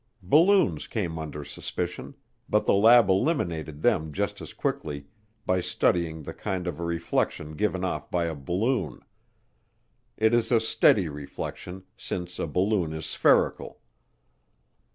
Balloons came under suspicion, but the lab eliminated them just as quickly by studying the kind of a reflection given off by a balloon it is a steady reflection since a balloon is spherical.